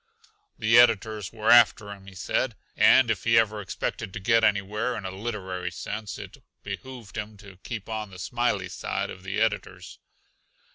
The editors were after him, he said, and if he ever expected to get anywhere, in a literary sense, it be hooved him to keep on the smiley side of the editors.